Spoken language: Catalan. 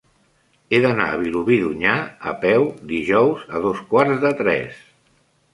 He d'anar a Vilobí d'Onyar a peu dijous a dos quarts de tres.